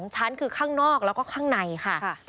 ชั้นคือข้างนอกแล้วก็ข้างในค่ะ